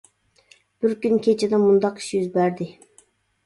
بىر كۈنى كېچىدە مۇنداق ئىش يۈز بەردى.